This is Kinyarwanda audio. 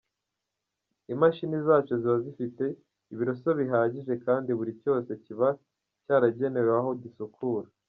Imashini zacu ziba zifite ibiroso bihagije kandi buri cyose kiba cyaragenewe aho gisukura .